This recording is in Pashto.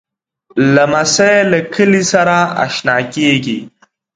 لمسی له کلي سره اشنا کېږي.